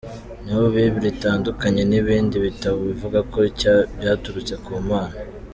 Niho Bible itandukaniye n’ibindi bitabo bivuga ko byaturutse ku mana.